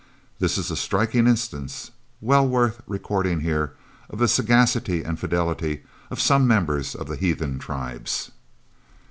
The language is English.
This is a striking instance, well worth recording here, of the sagacity and fidelity of some members of the heathen tribes.